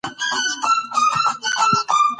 د جګړې او سولې رومان د بشریت د یووالي او مېړانې غږ دی.